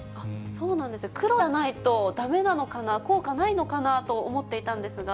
そうなんですね、黒じゃないとだめなのかな、効果ないのかなと思っていたんですが。